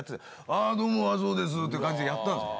「あどうも麻生です」って感じでやったんすよ。